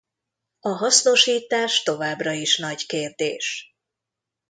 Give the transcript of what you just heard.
A hasznosítás továbbra is nagy kérdés.